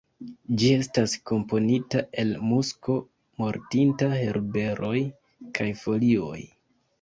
Ĝi estas komponita el musko, mortinta herberoj kaj folioj.